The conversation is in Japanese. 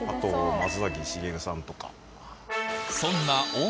松崎しげるさんとか。